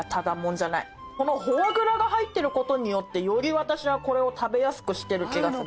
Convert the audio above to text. このフォアグラが入ってることによってより私はこれを食べやすくしてる気がする。